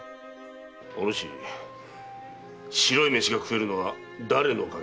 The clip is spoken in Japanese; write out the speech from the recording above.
おぬし白い飯が食えるのは誰のおかげだ？